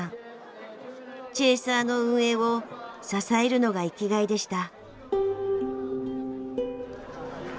チェーサーの運営を支えるのが生きがいでした。